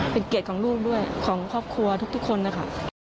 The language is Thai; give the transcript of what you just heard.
เป็นเกียรติของลูกด้วยของครอบครัวทุกคนนะคะ